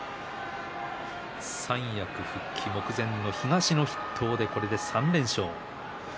三役復帰目前の東の筆頭でこれで３連勝。